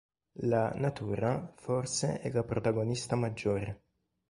La "natura" forse è la protagonista maggiore.